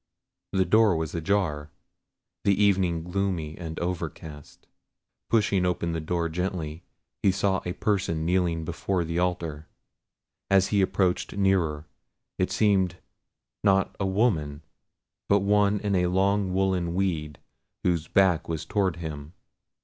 The door was ajar; the evening gloomy and overcast. Pushing open the door gently, he saw a person kneeling before the altar. As he approached nearer, it seemed not a woman, but one in a long woollen weed, whose back was towards him.